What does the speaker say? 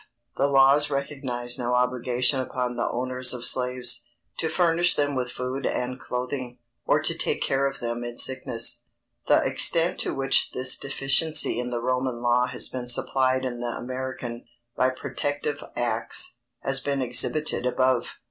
_The laws recognized no obligation upon the owners of slaves, to furnish them with food and clothing, or to take care of them in sickness._ The extent to which this deficiency in the Roman law has been supplied in the American, by "protective acts," has been exhibited above.